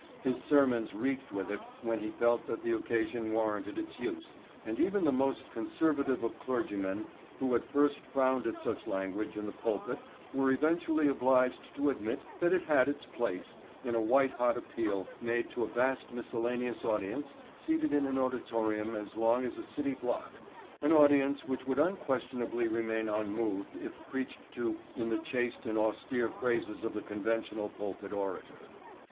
His sermons reeked with it when he felt that the occasion warranted its use and even the most conservative of clergymen who at first frowned at such language in the pulpit were eventually obliged to admit that it had its place in a white hot appeal made to a vast miscellaneous audience seated in an auditorium as long as a city block, an audience which would unquestionably remain unmoved if preached to in the chaste and austere phrases of the conventional pulpit orator.